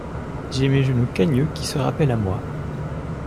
j’ai mes genoux cagneux qui se rappellent à moi.